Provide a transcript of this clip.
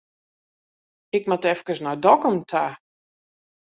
Ik moat efkes nei Dokkum ta.